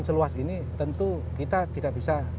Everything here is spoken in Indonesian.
seluas ini tentu kita tidak bisa